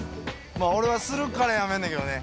まっ俺はするからやめんねんけどね。